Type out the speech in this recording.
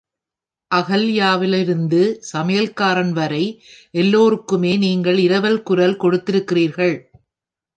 அகல்யாவிலிருந்து சமையற்காரன் வரை எல்லோருக்குமே நீங்கள் இரவல் குரல் கொடுத்திருக்கிறீர்கள்!